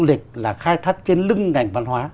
ngành du lịch là khai thắt trên lưng ngành văn hóa